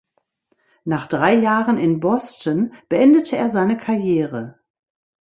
Nach drei Jahren in Boston beendete er seine Karriere.